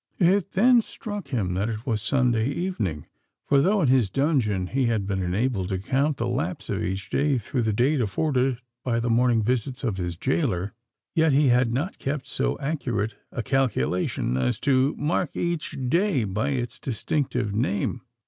It then struck him that it was Sunday evening:—for though, in his dungeon, he had been enabled to count the lapse of each day through the date afforded by the morning visits of his gaoler, yet he had not kept so accurate a calculation as to mark each day by its distinctive name.